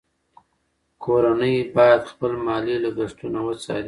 کورنۍ باید خپل مالي لګښتونه وڅاري.